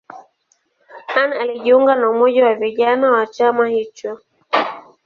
Anna alijiunga na umoja wa vijana wa chama hicho.